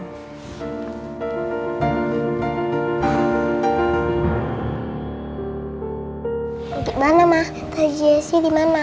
gimana ma tante jessy dimana